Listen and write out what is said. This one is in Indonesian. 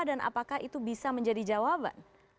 dan apakah itu bisa menjadi jawaban